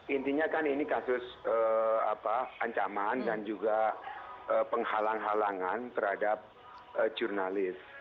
intinya kan ini kasus ancaman dan juga penghalang halangan terhadap jurnalis